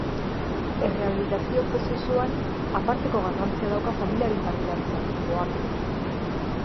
Errehabilitazio prozesuan aparteko garrantzia dauka familiaren parte-hartze aktiboak.